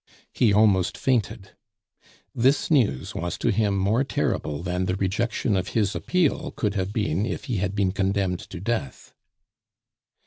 He almost fainted. This news was to him more terrible than the rejection of his appeal could have been if he had been condemned to death.